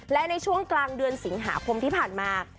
และในช่วงกลางเดือนสิงหาคมที่ผ่านมา